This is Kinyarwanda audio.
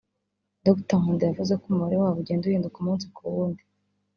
Dr Nkunda yavuze ko umubare wabo ugenda uhinduka umunsi ku wundi